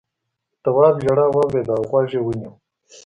تواب ژړا واورېده او غوږ یې ونيو.